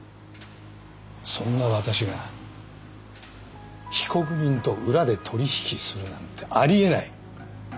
そんな私が被告人と裏で取り引きするなんてありえない！